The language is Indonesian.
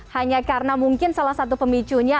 hanya karena mungkin salah satu pemicunya